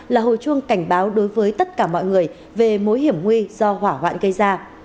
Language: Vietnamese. là hồi chuông cảnh báo đối với tất cả mọi người về mối hiểm nguy do hỏa hoạn gây ra